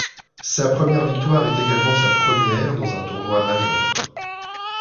Sa première victoire est également sa première dans un tournoi Majeur.